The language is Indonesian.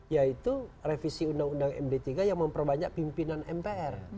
yaitu revisi undang undang md tiga yang memperbanyak pimpinan mpr